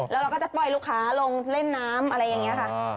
แล้วเราก็จะปล่อยลูกค้าลงเล่นน้ำอะไรอย่างนี้ค่ะ